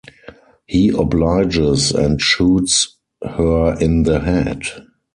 He obliges, and shoots her in the head.